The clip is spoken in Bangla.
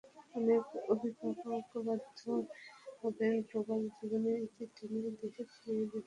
অনেক অভিভাবক বাধ্য হবেন প্রবাস জীবনের ইতি টেনে দেশে ফিরে যেতে।